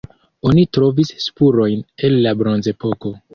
Oni trovis spurojn el la bronzepoko.